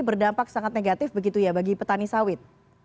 berdampak sangat negatif begitu ya bagi petani sawit